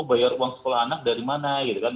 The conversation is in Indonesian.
bayar uang sekolah anak dari mana gitu kan